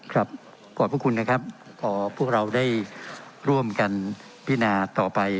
ขอบพระคุณนะครับขอพวกเราได้ร่วมกันพินาต่อไป